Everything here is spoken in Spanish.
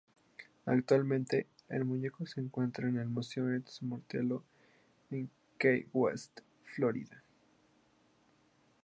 Actualmente, el muñeco se encuentra en el Museo East Martello en Key West, Florida.